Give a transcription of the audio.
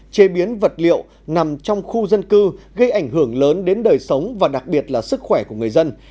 chế biến vật liệu nằm trong khu dân cư gây ảnh hưởng lớn đến đời sống và đặc biệt là sức khỏe của người dân